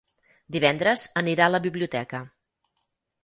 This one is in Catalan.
Divendres anirà a la biblioteca.